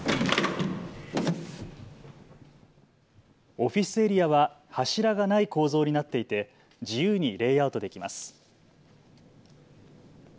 オフィスエリアは柱がない構造になっていて自由にレイアウトできます。